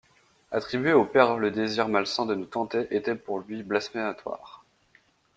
Attribuer au Père le désir malsain de nous tenter était pour lui blasphématoire.